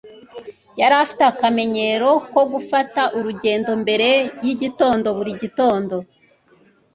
yari afite akamenyero ko gufata urugendo mbere yigitondo buri gitondo